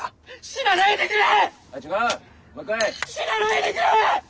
死なないでくれ！